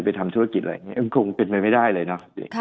ทำธุรกิจอะไรอย่างนี้คงเป็นไปไม่ได้เลยเนาะ